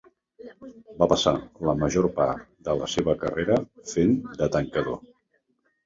Va passar la major part de la seva carrera fent de tancador.